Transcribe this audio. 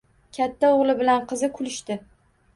Katta o‘g‘li bilan qizi kulishdi.